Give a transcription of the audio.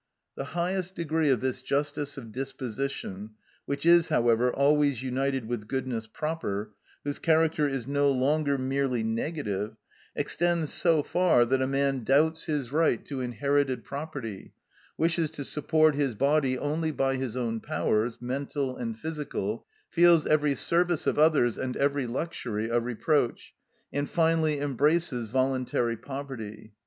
The highest degree of this justice of disposition, which is, however, always united with goodness proper, whose character is no longer merely negative, extends so far that a man doubts his right to inherited property, wishes to support his body only by his own powers, mental and physical, feels every service of others and every luxury a reproach, and finally embraces voluntary poverty.